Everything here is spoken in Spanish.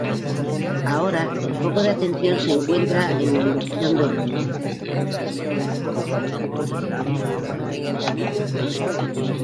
Ahora, el foco de atención se encuentra en la elección de objeto.